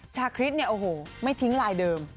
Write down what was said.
ชาคริสโอ้โหไม่ถิงลายเดิม